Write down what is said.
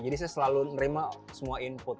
jadi saya selalu nerima semua input